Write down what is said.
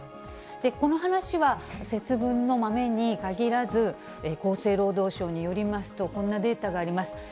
この話は、節分の豆に限らず、厚生労働省によりますと、こんなデータがあります。